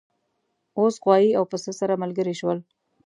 اوښ غوایی او پسه سره ملګري شول.